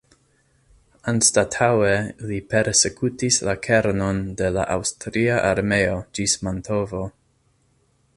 Anstataŭe li persekutis la kernon de la Aŭstria armeo ĝis Mantovo.